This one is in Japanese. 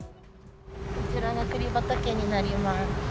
こちらが栗畑になります。